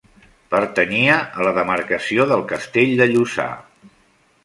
Pertanyia a la demarcació del castell de Lluçà.